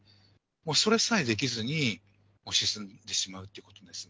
もうそれさえできずに、沈んでしまうということです。